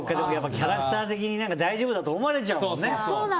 キャラクター的に大丈夫だと思われちゃうのね。